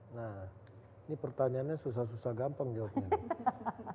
nah ini pertanyaannya susah susah gampang jawabnya